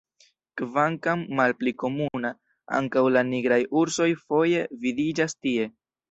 Kvankam malpli komuna, ankaŭ la nigraj ursoj foje vidiĝas tie.